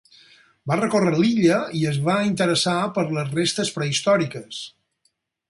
Va recórrer l'illa i es va interessar per les restes prehistòriques.